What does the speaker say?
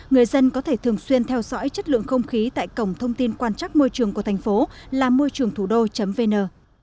người dân có thể thường xuyên theo dõi chất lượng không khí tại cổng thông tin quan trắc môi trường của thành phố là môi trườngthủđô vn